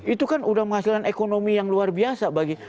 itu kan udah menghasilkan ekonomi yang luar biasa bagi